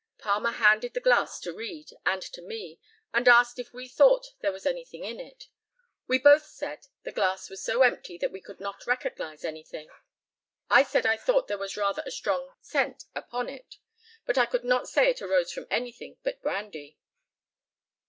Palmer handed the glass to Read and to me, and asked if we thought there was anything in it. We both said the glass was so empty that we could not recognise anything. I said I thought there was rather a strong scent upon it, but I could not say it arose from anything but brandy.